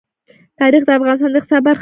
تاریخ د افغانستان د اقتصاد برخه ده.